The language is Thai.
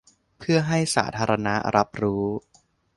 เพื่อให้สาธาณะรับรู้